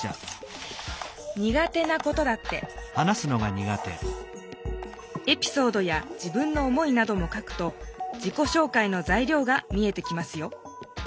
にが手なことだってエピソードや自分の思いなども書くと自己紹介のざいりょうが見えてきますよ。